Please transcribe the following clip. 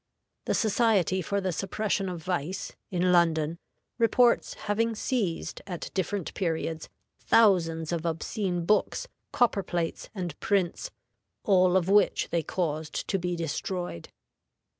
The Society for the Suppression of Vice, in London, reports having seized, at different periods, thousands of obscene books, copper plates, and prints, all of which they caused to be destroyed.